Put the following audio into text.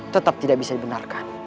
tetap tidak bisa dibenarkan